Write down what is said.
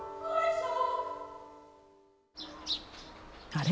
あれ？